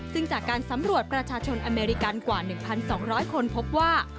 ซึ่งจากการสำรวจประชาชนอเมริกันกว่า๑๒๐๐คนพบว่า